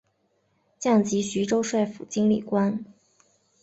降级徐州帅府经历官。